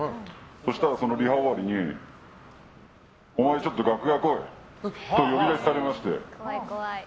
そしたらそのリハ終わりにお前ちょっと楽屋来い！って呼び出しされまして。